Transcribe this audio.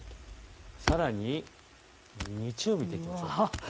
さらに日曜日を見ていきましょう。